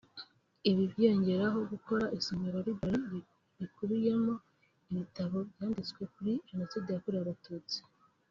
Ibi byiyongeraho gukora isomero (library) rikubiyemo ibitabo byanditswe kuri Jenoside yakorewe Abatutsi